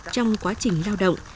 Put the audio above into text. trong quá trình lao động